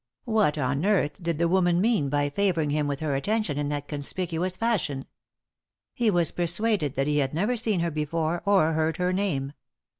What on earth did the woman mean by favouring him with her attention in that conspicuous fashion ? He was persuaded that he had never seen her before, or heard the name.